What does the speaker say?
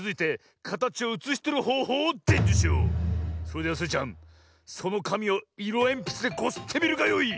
それではスイちゃんそのかみをいろえんぴつでこすってみるがよい。